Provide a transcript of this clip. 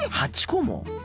８個も？